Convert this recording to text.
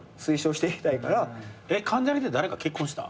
関ジャニって誰か結婚した？